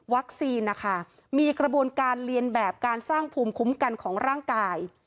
นะคะมีกระบวนการเรียนแบบการสร้างภูมิคุ้มกันของร่างกาย